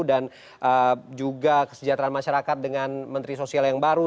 dan juga kesejahteraan masyarakat dengan menteri sosial yang baru